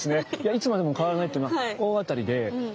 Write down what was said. いつまでも変わらないっていうのは大当たりで。